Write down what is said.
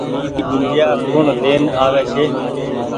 اي بنديآ ڪوڻ لين آوي ڇي۔